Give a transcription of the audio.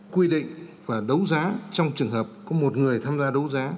quy định và đấu giá trong trường hợp có một người tham gia đấu giá